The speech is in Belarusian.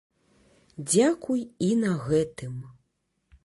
Дзякуй і на гэтым!